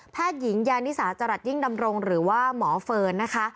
หญิงยานิสาจรัสยิ่งดำรงหรือว่าหมอเฟิร์นนะคะ